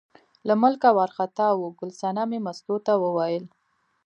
له ملکه وار خطا و، ګل صنمې مستو ته وویل.